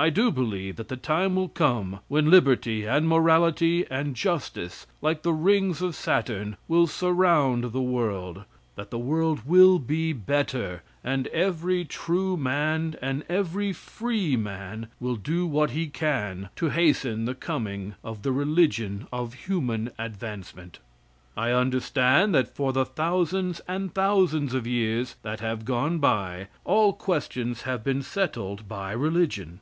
I do believe that the time will come when liberty and morality and justice, like the rings of Saturn, will surround the world; that the world will be better, and every true man and every free man will do what he can to hasten the coming of the religion of human advancement. I understand that for the thousands and thousands of years that have gone by, all questions have been settled by religion.